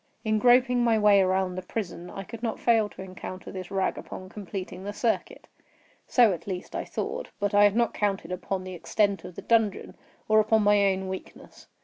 In groping my way around the prison, I could not fail to encounter this rag upon completing the circuit. So, at least I thought: but I had not counted upon the extent of the dungeon, or upon my own weakness.